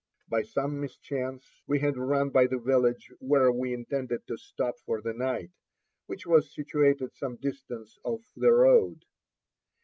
By some mischance we had run by the village where we intended to stop for the night, which was situated some distance off the road.